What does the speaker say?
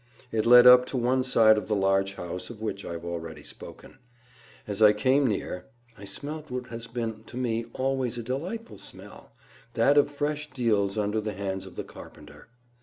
It led up to one side of the large house of which I have already spoken. As I came near, I smelt what has been to me always a delightful smell—that of fresh deals under the hands of the carpenter.